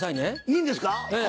いいんですか？